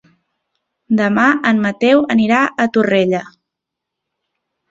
Demà en Mateu anirà a Torrella.